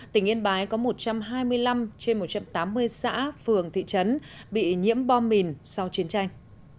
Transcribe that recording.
tỉnh yên bái có một trăm hai mươi năm trên một trăm tám mươi xã phường thị trấn bị nhiễm bom mìn sau chiến tranh